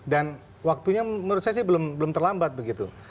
dan waktunya menurut saya belum terlambat begitu